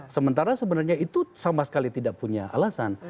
sementara sebenarnya itu sama sekali tidak punya alasan